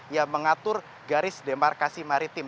yang mengatur garis demarkasi maritim